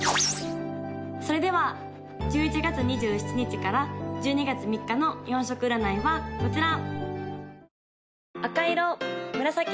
・それでは１１月２７日から１２月３日の４色占いはこちら！